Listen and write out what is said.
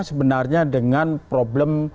sebenarnya dengan problem